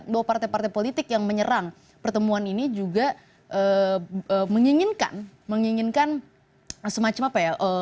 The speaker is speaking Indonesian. bahwa partai partai politik yang menyerang pertemuan ini juga menginginkan semacam apa ya